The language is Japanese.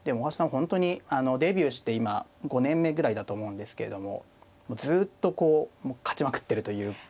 本当にデビューして今５年目ぐらいだと思うんですけれどもずっと勝ちまくってるというか。